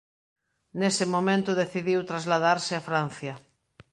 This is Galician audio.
Nese momento decidiu trasladarse a Francia.